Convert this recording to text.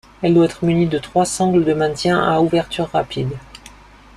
Elle doit être munie de trois sangles de maintien à ouverture rapide.